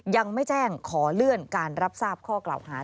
ยังไม่แจ้งขอเลื่อนการรับทราบข้อกล่าวหา